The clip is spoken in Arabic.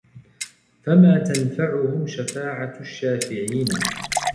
فَمَا تَنْفَعُهُمْ شَفَاعَةُ الشَّافِعِينَ